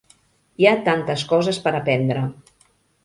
Hi ha tantes coses per aprendre.